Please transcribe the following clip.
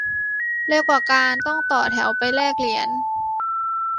เร็วกว่าการต้องต่อแถวไปแลกเหรียญ